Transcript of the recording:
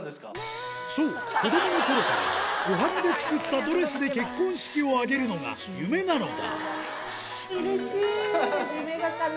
そう子どものころからお花で作ったドレスで結婚式を挙げるのが夢なのだうれしい！